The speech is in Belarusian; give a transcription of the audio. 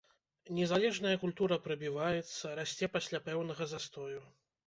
Незалежная культура прабіваецца, расце пасля пэўнага застою.